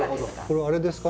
これあれですか？